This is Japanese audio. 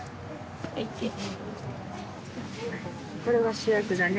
これは主役だね。